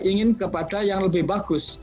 ingin kepada yang lebih bagus